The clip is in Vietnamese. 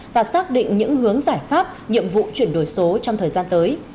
và xác định những hướng giải pháp nhiệm vụ chuyển đổi số trong thời gian tới